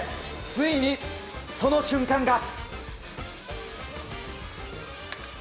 ついに、その瞬間が。